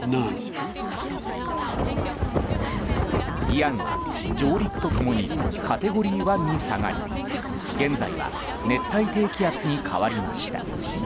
イアンは上陸とともにカテゴリー１に下がり現在は熱帯低気圧に変わりました。